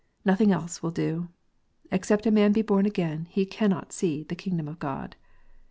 Nothing else will do. "Except a man be born again, he cannot see the kingdom of God."